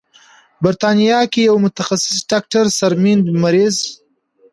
بریتانیا کې یو متخصص ډاکتر سرمید میزیر